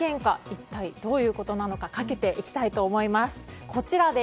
一体、どういうことなのかかけていきたいと思います。